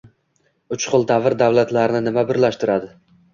Uch xil davr davlatlarini nima birlashtiradi?